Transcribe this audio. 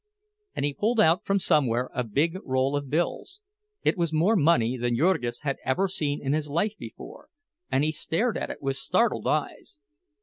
And he pulled out from somewhere a big roll of bills. It was more money than Jurgis had ever seen in his life before, and he stared at it with startled eyes.